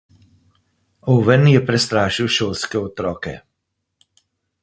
Oven je prestrašil šolske otroke.